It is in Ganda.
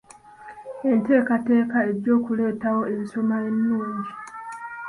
Enteekateeka ejja kuleetawo ensoma ennungi.